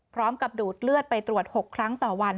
พร้อมกับดูดเลือดไปตรวจ๖ครั้งต่อวัน